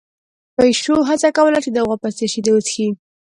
پيشو هڅه کوله چې د غوا په څېر شیدې وڅښي.